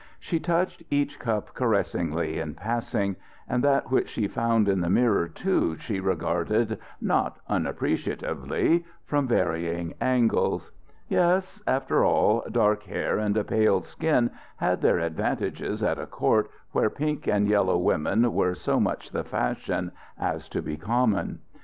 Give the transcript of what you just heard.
She touched each cup caressingly in passing; and that which she found in the mirror, too, she regarded not unappreciatively, from varying angles.... Yes after all, dark hair and a pale skin had their advantages at a court where pink and yellow women were so much the fashion as to be common.